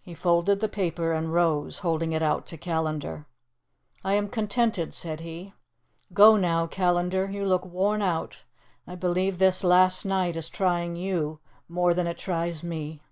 He folded the paper and rose, holding it out to Callandar. "I am contented," said he; "go now, Callandar. You look worn out. I believe this last night is trying you more than it tries me."